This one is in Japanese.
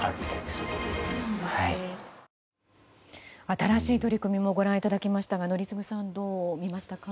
新しい取り組みもご覧いただきましたが宜嗣さん、どうみましたか。